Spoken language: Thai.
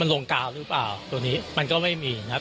ลงกาวหรือเปล่าตัวนี้มันก็ไม่มีนะครับ